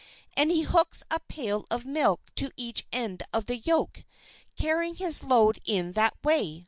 And he hooks a pail of milk to each end of the yoke, carrying his load in that way.